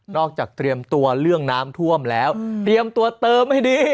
เตรียมตัวเรื่องน้ำท่วมแล้วเตรียมตัวเติมให้ดี